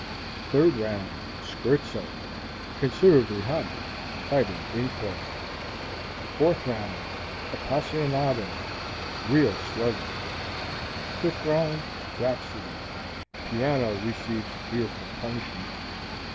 THIRD ROUND: Scherzo. (Considerably hotter; fighting in close.) FOURTH ROUND: Appassionato. (Real slugging.) FIFTH ROUND: Rhapsodie. (Piano receives fearful punishment.